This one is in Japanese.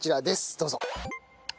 どうぞ。